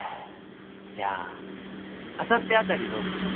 じゃああさってあたりどうでしょう？